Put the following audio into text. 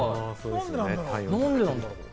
なんでなんだろう？